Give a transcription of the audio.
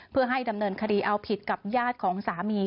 เพื่อให้ดำเนินคดีเอาผิดกับญาติของสามี